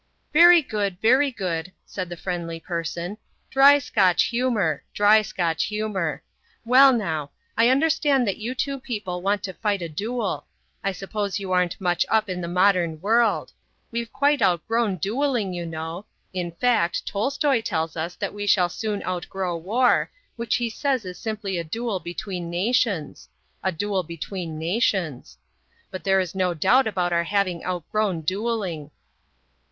"Very good, very good," said the friendly person. "Dry Scotch humour. Dry Scotch humour. Well now. I understand that you two people want to fight a duel. I suppose you aren't much up in the modern world. We've quite outgrown duelling, you know. In fact, Tolstoy tells us that we shall soon outgrow war, which he says is simply a duel between nations. A duel between nations. But there is no doubt about our having outgrown duelling."